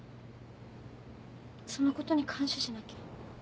そのことに感謝しなきゃ。